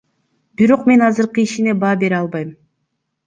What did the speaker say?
Бирок мен азыркы ишине баа бере албайм.